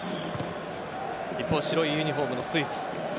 一方、白いユニホームのスイス。